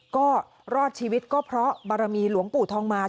ก็รอดชีวิตก็เพราะบารมีหลวงปู่ทองมา